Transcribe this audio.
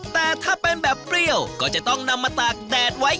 แต่ถ้าเป็นแบบเปรี้ยวก็จะต้องนำมาตากแดดไว้